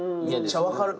めっちゃ分かる。